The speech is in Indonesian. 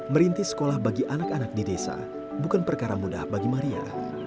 merintis sekolah bagi anak anak di desa bukan perkara mudah bagi maria